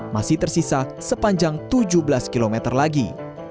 masih tersisa sepanjang tujuh belas km lagi